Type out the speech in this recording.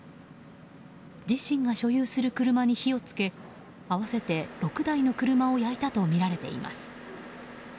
自身が所有する車に火を付け合わせて６台の車を焼いたとみられています。